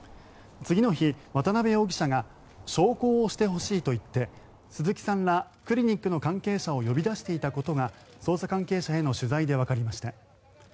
次の日、渡辺容疑者が焼香をしてほしいと言って鈴木さんらクリニックの関係者を呼び出していたことが捜査関係者への取材でわかりました。